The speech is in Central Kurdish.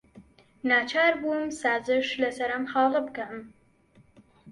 ناچار بووم سازش لەسەر ئەم خاڵە بکەم.